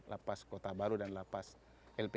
lapas kota baru dan lapas lp